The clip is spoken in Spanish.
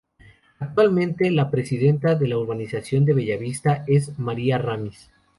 Actualmente, la presidenta de la Urbanización de Bellavista es María Ramis.